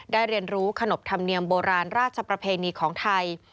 เรียนรู้ขนบธรรมเนียมโบราณราชประเพณีของไทย